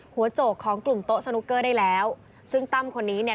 โจกของกลุ่มโต๊ะสนุกเกอร์ได้แล้วซึ่งตั้มคนนี้เนี่ย